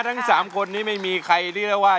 ทั้งสามคนนี้ไม่มีใครที่เรียกว่า